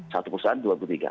satu perusahaan dua puluh tiga